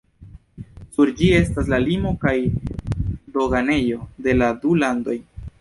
Sur ĝi estas la limo kaj doganejo de la du landoj.